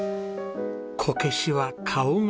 こけしは顔が命。